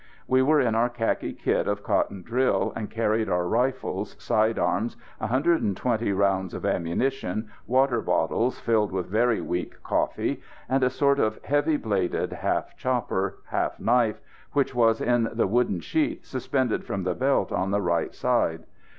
We were in our khaki kit of cotton drill, and carried our rifles, side arms, 120 rounds of ammunition, water bottles filled with very weak coffee, and a sort of heavy bladed half chopper, half knife, which was in a wooden sheath suspended from the belt on the right side.